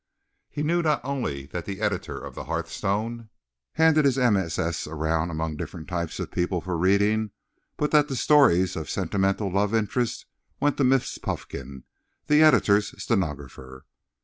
He knew not only that the editor of the Hearthstone handed his MSS. around among different types of people for reading, but that the stories of sentimental love interest went to Miss Puffkin, the editor's stenographer.